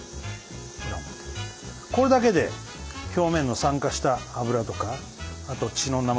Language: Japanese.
これだけで表面の酸化した脂とかあと血の生臭さが取れますから。